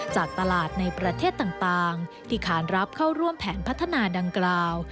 จากตลาดในประเทศต่างที่ขานรับเข้าร่วมแผนพัฒนาดังกล่าว